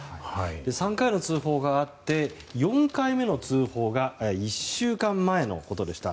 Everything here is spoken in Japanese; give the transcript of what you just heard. ３回の通報があって４回目の通報が１週間前のことでした。